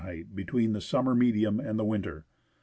between the summer medium and the winter.